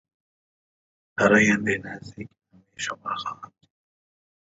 The ram slides back and forth above the work.